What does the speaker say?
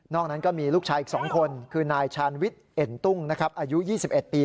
นั้นก็มีลูกชายอีก๒คนคือนายชาญวิทย์เอ็นตุ้งอายุ๒๑ปี